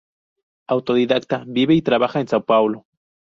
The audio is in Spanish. Autodidacta, vive y trabaja en São Paulo.